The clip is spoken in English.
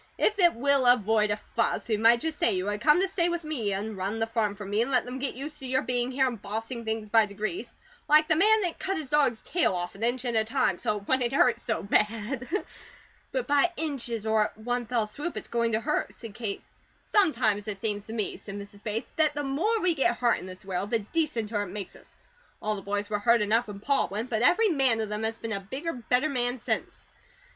If it will avoid a fuss, we might just say you had to come to stay with me, and run the farm for me, and let them get used to your being here, and bossing things by degrees; like the man that cut his dog's tail off an inch at a time, so it wouldn't hurt so bad." "But by inches, or 'at one fell swoop,' it's going to hurt," said Kate. "Sometimes it seems to me," said Mrs. Bates, "that the more we get HURT in this world the decenter it makes us. All the boys were hurt enough when Pa went, but every man of them has been a BIGGER, BETTER man since.